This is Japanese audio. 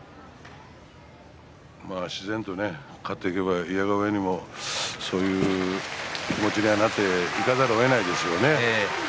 自然と勝っていけばいやが上にもそういう気持ちにはなっていかざるをえないでしょうけどね。